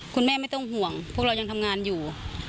ไม่ต้องห่วงพวกเรายังทำงานอยู่